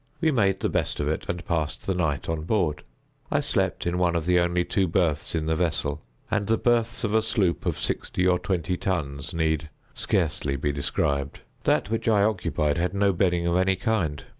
We made the best of it, and passed the night on board. I slept in one of the only two berths in the vessel—and the berths of a sloop of sixty or twenty tons need scarcely be described. That which I occupied had no bedding of any kind.